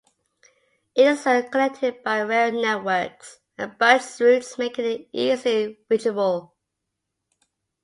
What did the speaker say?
It is well connected by rail networks and bus routes making it easily reachable.